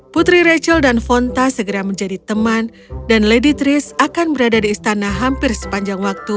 putri rachel dan fonta segera menjadi teman dan lady tris akan berada di istana hampir sepanjang waktu